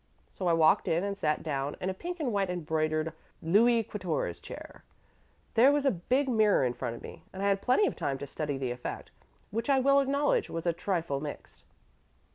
So I walked in and sat down in a pink and white embroidered Louis Quatorze chair. There was a big mirror in front of me, and I had plenty of time to study the effect, which, I will acknowledge, was a trifle mixed."